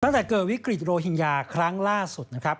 ตั้งแต่เกิดวิกฤตโรฮิงญาครั้งล่าสุดนะครับ